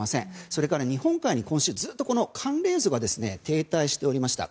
それから日本海に今週ずっと寒冷渦が停滞しておりました。